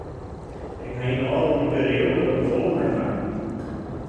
Ik ha yn de ôfrûne perioade wat te folle meimakke.